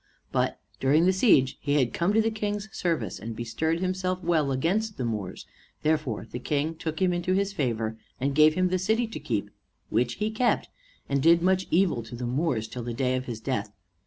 But during the siege he had come to the King's service, and bestirred himself well against the Moors; and therefore the King took him into his favor, and gave him the city to keep, which he kept, and did much evil to the Moors till the day of his death.